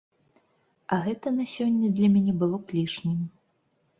А гэта на сёння для мяне было б лішнім.